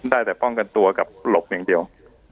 ได้แต่ป้องกันตัวกับหลบอย่างเดียว